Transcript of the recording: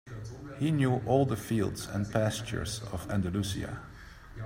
He knew all the fields and pastures of Andalusia.